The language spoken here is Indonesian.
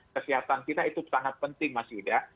kesehatan kita itu sangat penting mas yuda